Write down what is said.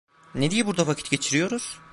Ne diye burada vakit geçiriyoruz?